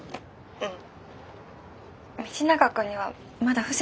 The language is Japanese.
うん！